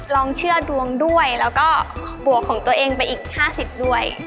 ลองเชื่อดวงด้วยแล้วก็บวกของตัวเองไปอีก๕๐ด้วย